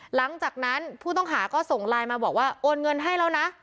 หลังจากนั้นผู้ต้องหาก็ส่งไลน์มาบอกว่าโอนเงินให้แล้วนะ